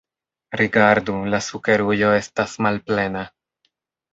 Rigardu, la sukerujo estas malplena.